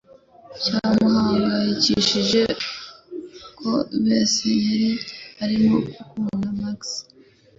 Byamuhangayikishije ko Bess yari arimo akunda Max